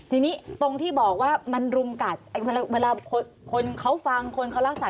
ทีนี้ตรงที่บอกว่ามันรุมกัดเวลาคนเขาฟังคนเขารักษา